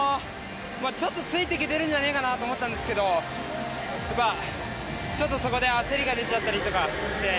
ついていけているんじゃないかなと思ったんですけどちょっとそこで焦りが出ちゃったりして。